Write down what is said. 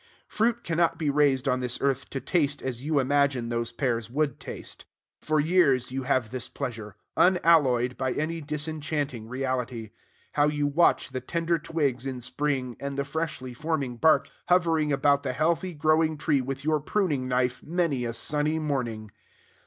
Fruit cannot be raised on this earth to taste as you imagine those pears would taste. For years you have this pleasure, unalloyed by any disenchanting reality. How you watch the tender twigs in spring, and the freshly forming bark, hovering about the healthy growing tree with your pruning knife many a sunny morning!